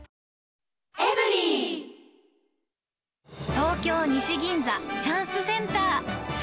東京・西銀座、チャンスセンター。